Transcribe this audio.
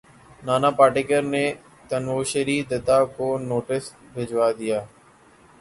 نانا پاٹیکر نے تنوشری دتہ کو نوٹس بھجوا دیا